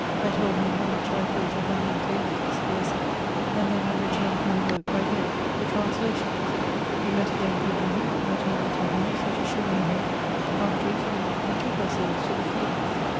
I told him how much I had built of my nightly edifice — ^the Esscd; and then I returned to my work by day — the translations. We met again for dinner at an eating house — at a shilling a head ; afterwards we betook our selves to the fields.